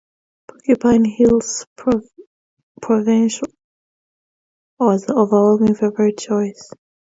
Porcupine Hills Provincial Park was the overwhelmingly favourite choice.